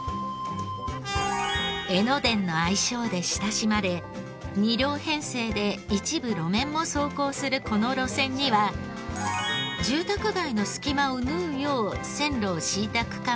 江ノ電の愛称で親しまれ２両編成で一部路面も走行するこの路線には住宅街の隙間を縫うよう線路を敷いた区間もあり。